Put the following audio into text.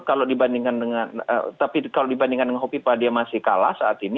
kalau dibandingkan dengan hopipa dia masih kalah saat ini